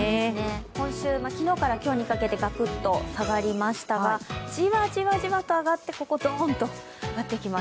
今週、昨日から今日にかけてガクッと下がりましたが、ジワジワと上がって、ここドーンと上がっていきます。